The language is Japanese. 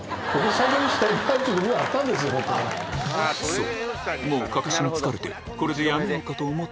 そう！